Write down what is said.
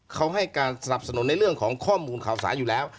เขาให้การสนับสนุนในเรื่องของข้อมูลข่าวสารอยู่แล้ว